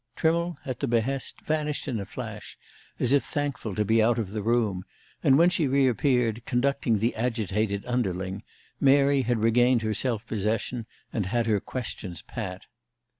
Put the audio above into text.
Trimmle, at the behest, vanished in a flash, as if thankful to be out of the room, and when she reappeared, conducting the agitated underling, Mary had regained her self possession, and had her questions pat.